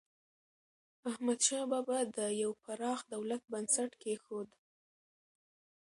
احمدشاه بابا د یو پراخ دولت بنسټ کېښود.